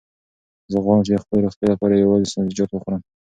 زه غواړم چې د خپلې روغتیا لپاره یوازې سبزیجات وخورم.